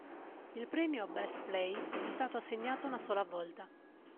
Il premio "Best Play" è stato assegnato una sola volta.